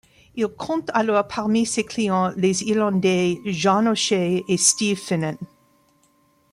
Il compte alors parmi ses clients les irlandais John O'Shea et Steve Finnan.